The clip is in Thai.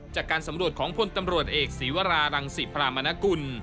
จากการสำรวจของพลตำรวจเอกศีวรารังศิพรามนกุล